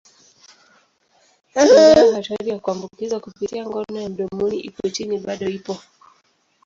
Ingawa hatari ya kuambukizwa kupitia ngono ya mdomoni iko chini, bado ipo.